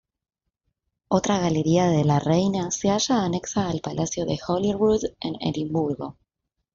Otra "Galería de la Reina" se halla anexa al Palacio de Holyrood en Edimburgo.